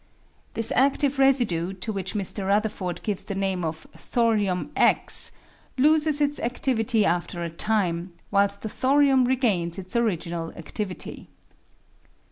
This adive residue, to which Mr. Rutherford gives the name of thorium X, loses its adivity after a time, whilst the thorium regains its original adivity.